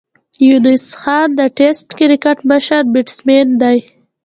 یونس خان د ټېسټ کرکټ مشر بېټسمېن دئ.